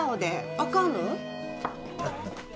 あかんの？